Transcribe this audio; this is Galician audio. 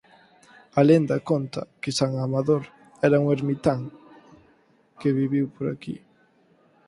A lenda conta que San Amador era un ermitán que viviu por aquí.